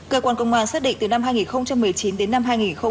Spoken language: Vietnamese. cơ quan công an xác định từ năm hai nghìn một mươi chín đến năm hai nghìn hai mươi